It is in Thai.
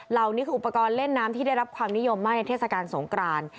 เหล่านี้คืออุปกรณ์เล่นน้ำที่ได้รับความนิยมมากในเทศกาลสงกราน